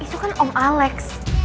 itu kan om alex